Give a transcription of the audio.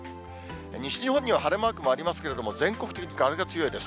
西日本には晴れマークもありますけれども、全国的に風が強いです。